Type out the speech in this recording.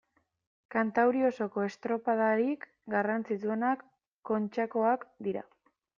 Kantauri osoko estropadarik garrantzitsuenak Kontxakoak dira.